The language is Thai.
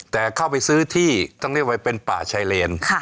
แต่เข้าไปซื้อที่ต้องเรียกว่าเป็นป่าชายเลน